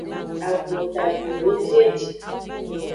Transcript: Agbota dwini ejieji.